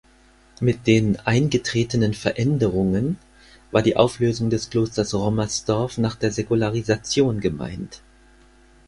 Mit den „eingetretenen Veränderungen“ war die Auflösung des Klosters Rommersdorf nach der Säkularisation gemeint.